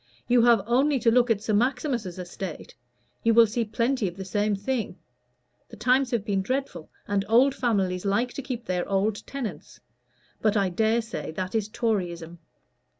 You have only to look at Sir Maximus's estate: you will see plenty of the same thing. The times have been dreadful and old families like to keep their old tenants. But I dare say that is Toryism."